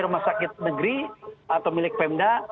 rumah sakit negeri atau milik pemda